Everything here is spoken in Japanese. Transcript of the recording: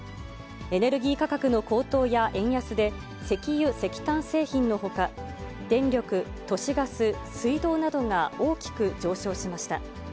エネルギー価格の高騰や円安で、石油、石炭製品のほか、電力・都市ガス・水道などが大きく上昇しました。